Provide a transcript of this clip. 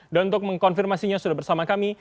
dan untuk mengkonfirmasinya sudah bersama kami